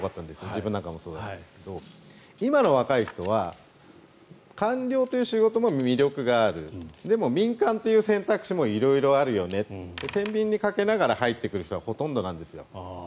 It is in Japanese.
自分なんかもそうだったんですが今の若い人は官僚という仕事も魅力があるでも、民間という選択肢も色々あるよねてんびんにかけながら入ってくる人がほとんどなんですよ。